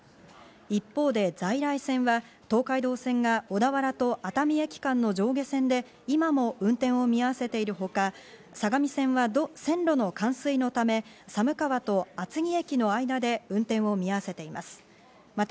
一方で在来線は東海道線が小田原と熱海駅間の上下線で今も運転を見合わせているほか、相模線は線路の冠水のため寒川と厚木駅の間で運転を見合わせています。